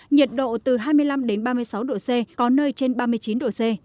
nhiệt độ từ hai mươi năm ba mươi sáu độ c có nơi trên ba mươi chín độ c